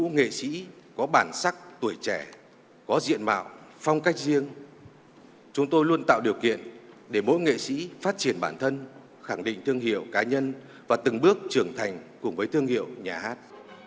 nghệ sĩ có bản sắc tuổi trẻ có diện mạo phong cách riêng chúng tôi luôn tạo điều kiện để mỗi nghệ sĩ phát triển bản thân khẳng định thương hiệu cá nhân và từng bước trưởng thành cùng với thương hiệu nhà hát